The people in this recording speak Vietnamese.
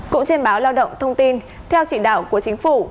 cũng trên báo lao động thông tin theo chỉ đạo của chính phủ